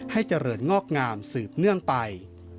ให้เจริญงอกงามสืบเนื่องไป